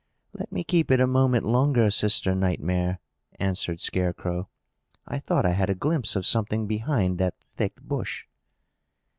"Let me keep it a moment longer, Sister Nightmare," answered Scarecrow. "I thought I had a glimpse of something behind that thick bush."